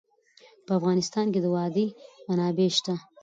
په افغانستان کې د وادي منابع شته.